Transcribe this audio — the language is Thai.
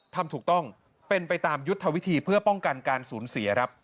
ทำถูกต้องเป็นไปตามยุทธวิธีเพื่อป้องกันการสูญเสียครับ